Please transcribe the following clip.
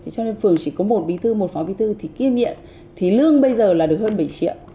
cho nên phường chỉ có một bí thư một phó bí thư thì kiêm nhiệm thì lương bây giờ là được hơn bảy triệu